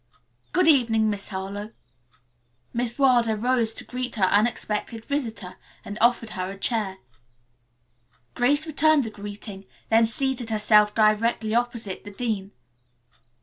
"Good evening, Miss Harlowe." Miss Wilder rose to greet her unexpected visitor and offered her a chair. Grace returned the greeting, then seated herself directly opposite the dean.